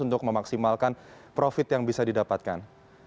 untuk memaksimalkan profit yang bisa didapatkan